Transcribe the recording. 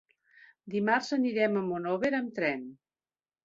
Dimarts anirem a Monòver amb tren.